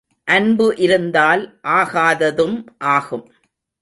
அன்பு இருந்தால் ஆகாததும் ஆகும்.